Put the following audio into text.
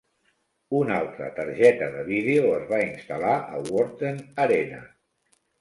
Una altra targeta de vídeo es va instal·lar a Worthen Arena.